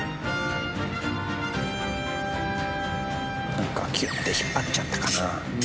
なんかギュッて引っ張っちゃったかな？